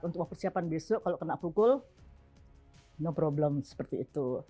untuk persiapan besok kalau kena pukul no problem seperti itu